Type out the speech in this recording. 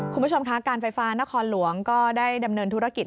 คุณผู้ชมคะการไฟฟ้านครหลวงก็ได้ดำเนินธุรกิจ